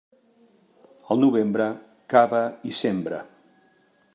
Al novembre, cava i sembra.